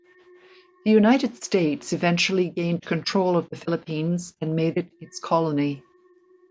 The United States eventually gained control of the Philippines and made it its colony.